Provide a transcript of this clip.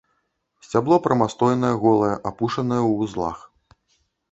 Сцябло прамастойнае, голае, апушанае ў вузлах.